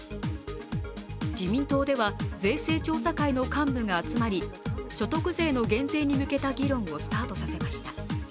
自民党では税制調査会の幹部が集まり所得税の減税に向けた議論をスタートさせました。